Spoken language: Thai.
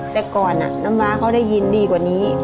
แต่ก่อนน้ำว้าเขาได้ยินดีกว่านี้